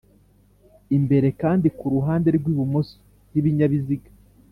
imbere kandi ku ruhande rw'ibumoso h'ibinyabiziga